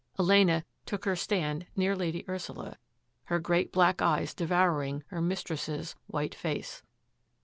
Elena took her stand near Lady Ur sula, her great black eyes devouring her mistress's white face.